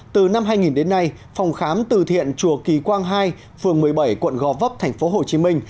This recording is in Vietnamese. từ năm hai nghìn đến nay phòng khám từ thiện chùa kỳ quang hai phường một mươi bảy quận gò vấp tp hcm